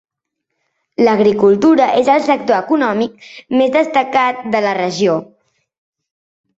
L'agricultura és el sector econòmic més destacat de la regió.